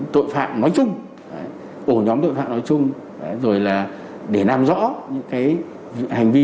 tội phạm nói chung ổ nhóm tội phạm nói chung rồi là để làm rõ những hành vi